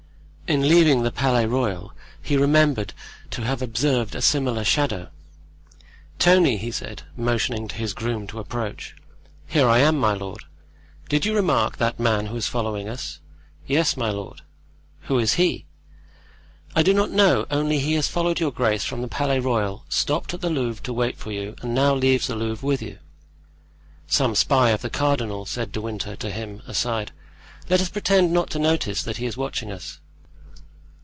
In leaving the Palais Royal he remembered to have observed a similar shadow. "Tony," he said, motioning to his groom to approach. "Here I am, my lord." "Did you remark that man who is following us?" "Yes, my lord." "Who is he?" "I do not know, only he has followed your grace from the Palais Royal, stopped at the Louvre to wait for you, and now leaves the Louvre with you." "Some spy of the cardinal," said De Winter to him, aside. "Let us pretend not to notice that he is watching us."